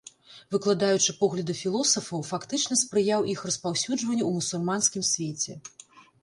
Выкладаючы погляды філосафаў, фактычна спрыяў іх распаўсюджванню ў мусульманскім свеце.